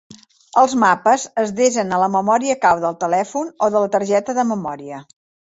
Els mapes es desen a la memòria cau del telèfon o de la targeta de memòria.